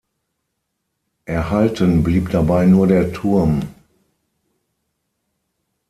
Erhalten blieb dabei nur der Turm.